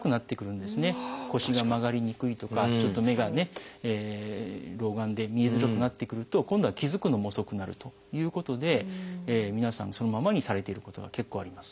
腰が曲がりにくいとかちょっと目がね老眼で見えづらくなってくると今度は気付くのも遅くなるということで皆さんそのままにされていることが結構あります。